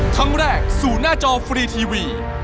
ครั้งแรกสู่หน้าจอฟรีทีวี